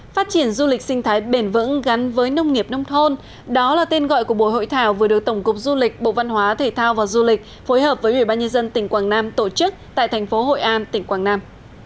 phát triển du lịch sinh thái bền vững gắn với nông nghiệp nông thôn đó là tên gọi của bộ hội thảo vừa được tổng cục du lịch bộ văn hóa thể thao và du lịch phối hợp với ubnd tỉnh quảng nam tổ chức tại tp hội an tỉnh quảng nam